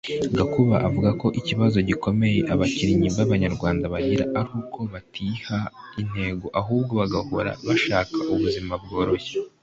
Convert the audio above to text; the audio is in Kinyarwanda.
Gakumba avuga ko ikibazo gikomeye abakinnyi b’Abanyarwanda bagira ari uko batiha intego ahubwo bagahora bashaka ubuzima bworoshye